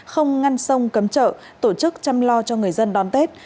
không ngăn sông cấm chợ tổ chức chăm lo cho người dân đón tết